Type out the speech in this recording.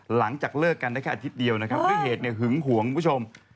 หลังจากเลิกกันได้แค่อาทิตย์เดียวนะครับด้วยเหตุหึงห่วงคุณผู้ชม